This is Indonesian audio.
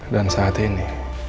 dan saat ini